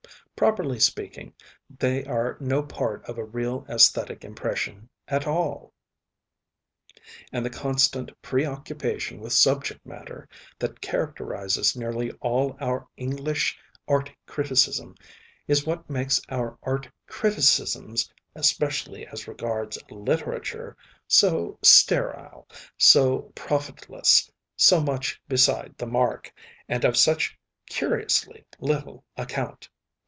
Properly speaking, they are no part of a real aesthetic impression at all, and the constant preoccupation with subject matter that characterises nearly all our English art criticism, is what makes our art criticisms, especially as regards literature, so sterile, so profitless, so much beside the mark, and of such curiously little account.